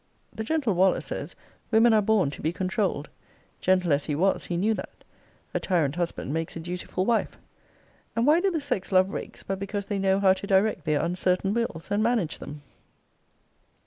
The gentle Waller says, women are born to be controuled. Gentle as he was, he knew that. A tyrant husband makes a dutiful wife. And why do the sex love rakes, but because they know how to direct their uncertain wills, and manage them?